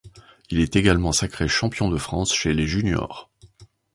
Il est également sacré champion de France chez les juniors.